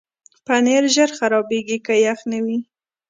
پنېر ژر خرابېږي که یخ نه وي.